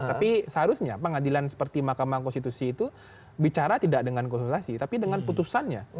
tapi seharusnya pengadilan seperti mahkamah konstitusi itu bicara tidak dengan konsultasi tapi dengan putusannya